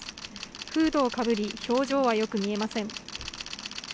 フードをかぶり、表情はよく見えません。